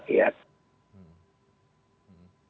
harga harga dibiarkan mau dihukum